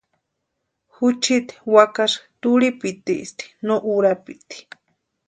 Juchiti wakasï turhipitiesti no urapiti.